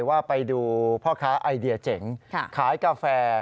ว่าไปดูพ่อค้าไอเดียเจ๋งขายกาแฟ